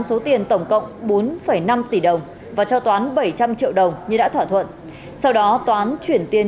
số tiền tổng cộng bốn năm tỷ đồng và cho toán bảy trăm linh triệu đồng như đã thỏa thuận sau đó toán chuyển tiền